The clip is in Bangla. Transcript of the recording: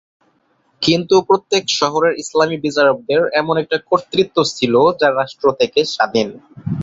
কিন্তু প্রত্যেক শহরের ইসলামী বিচারকদের এমন একটা কর্তৃত্ব ছিল যা রাষ্ট্র থেকে স্বাধীন।